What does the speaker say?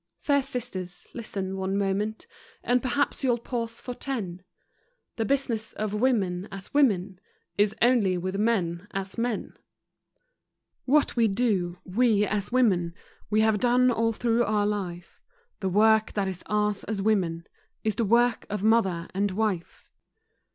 Fair sisters, listen one moment And perhaps you'll pause for ten: The business of women as women Is only with men as men! What we do, "We, as women," We have done all through our life; The work that is ours as women Is the work of mother and wife.